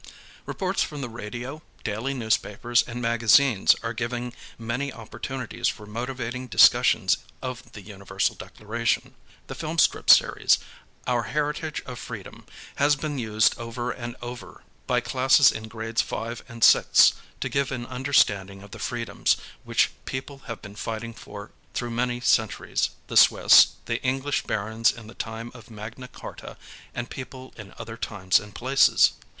Reports from the radio, daily newspapers, and magazines are giving many opportunities for motivating discussions of the Universal Declaration. The filmstrip series. Our Heritage of Freedom, has been used over and over by classes in grades 5 and 6 to give an understanding of the freedoms which people have been fighting for through many centuries ŌĆö the Swiss, the English Barons in the time of Magna Carta, and people in other times and places.